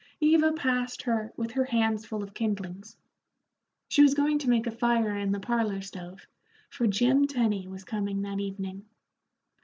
Eva passed her with her hands full of kindlings. She was going to make a fire in the parlor stove, for Jim Tenny was coming that evening.